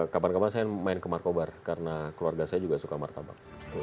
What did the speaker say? kapan kapan saya main ke marcobar karena keluarga saya juga suka martabak